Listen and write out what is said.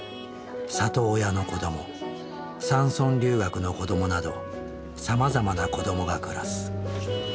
里親の子ども山村留学の子どもなどさまざまな子どもが暮らす。